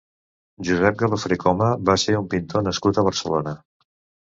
Josep Galofre Coma va ser un pintor nascut a Barcelona.